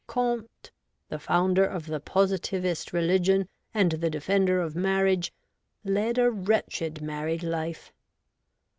Comte, the founder of the Positivist religion, and the defender of marriage, led a wretched married life.